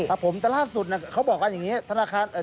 ครับผมแต่ล่าสุดเขาบอกว่าอย่างนี้